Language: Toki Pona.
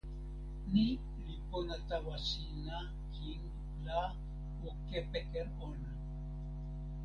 ni li pona tawa sina kin la o kepeken ona.